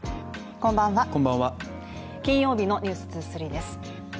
こんばんは金曜日の「ｎｅｗｓ２３」です。